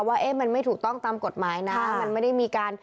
ว่ามันไม่ถูกต้องตามกฎหมายนะ